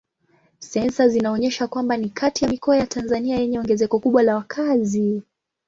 Sensa zinaonyesha kwamba ni kati ya mikoa ya Tanzania yenye ongezeko kubwa la wakazi.